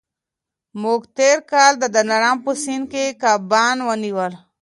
موږ تېر کال د دلارام په سیند کي کبان ونیول.